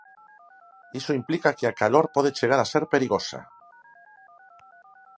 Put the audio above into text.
Iso implica que a calor pode chegar a ser perigosa.